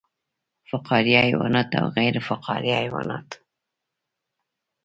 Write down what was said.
فقاریه حیوانات او غیر فقاریه حیوانات